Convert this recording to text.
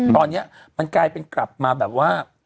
ตอนนี้มันกลายเป็นกลับมาแบบว่า